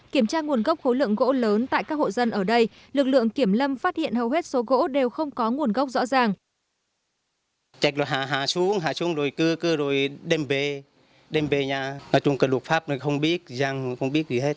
kiểm tra nguồn gốc khối lượng gỗ lớn tại các hộ dân ở đây lực lượng kiểm lâm phát hiện hầu hết số gỗ đều không có nguồn gốc rõ ràng